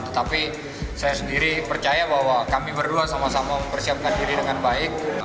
tetapi saya sendiri percaya bahwa kami berdua sama sama mempersiapkan diri dengan baik